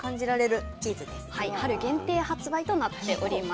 春限定発売となっております。